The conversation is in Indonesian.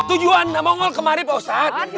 tujuan mongol kemari pausat